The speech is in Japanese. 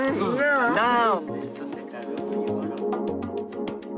なあ。